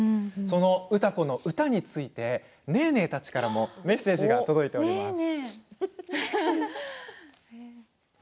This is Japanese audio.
歌子の歌についてネーネーたちからもメッセージが届いています。